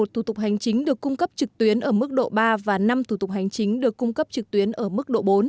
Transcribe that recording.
ba trăm một mươi một thủ tục hành chính được cung cấp trực tuyến ở mức độ ba và năm thủ tục hành chính được cung cấp trực tuyến ở mức độ bốn